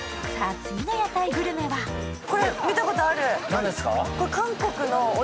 次の屋台グルメはこれ、見たことある。